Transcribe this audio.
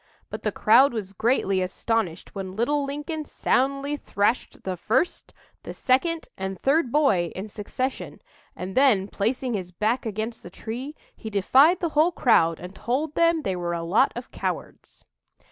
But the crowd was greatly astonished when little Lincoln soundly thrashed the first, the second, and third boy in succession; and then, placing his back against the tree, he defied the whole crowd, and told them they were a lot of cowards."